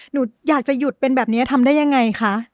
หนูอยากจะหยุดเป็นแบบนี้ทำได้ยังไงคะ